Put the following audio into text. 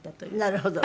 なるほど。